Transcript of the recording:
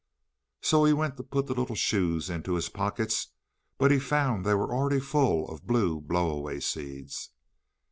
So he went to put the little shoes into his pockets, but he found they were already full of blue blow away seeds.